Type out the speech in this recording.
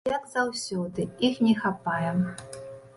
Як заўсёды, іх не хапае.